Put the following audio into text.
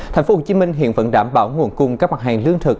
thành phố hồ chí minh hiện vẫn đảm bảo nguồn cung các mặt hàng lương thực